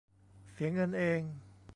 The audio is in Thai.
เสียเงินเอง